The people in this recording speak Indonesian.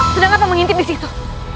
sudah kenapa mengintip disitu